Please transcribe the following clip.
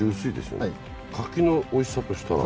柿のおいしさとしたら。